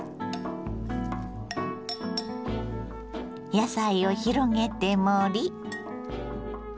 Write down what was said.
野菜を広げて盛り。